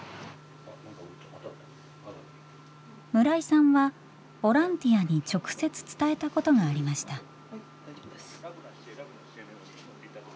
村井さんはボランティアに直接伝えたことがありました。